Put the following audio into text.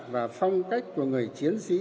và phong cách của người chiến sĩ